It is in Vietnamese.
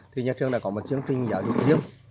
thì nhà trường đã có một chương trình giáo dục riêng